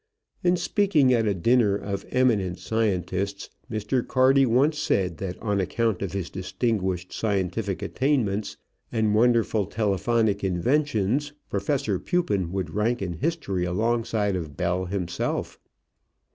In speaking at a dinner of eminent scientists, Mr. Carty once said that on account of his distinguished scientific attainments and wonderful telephonic inventions, Professor Pupin would rank in history alongside of Bell himself.